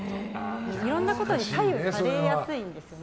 いろんなことに左右されやすいんですよね